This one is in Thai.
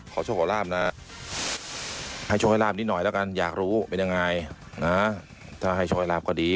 ขอชุดขอร้าวนะให้ชุดขอร้าวนี่หน่อยแล้วกันอยากรู้เป็นยังไงถ้าให้ชุดขอร้าวก็ดี